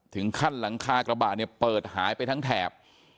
ข้างหลังคากระบะเนี่ยเปิดหายไปทั้งแถบ